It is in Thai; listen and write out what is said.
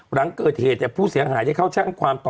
หลังเกิดเหตุผู้เสียหายได้เข้าช่างความต่อ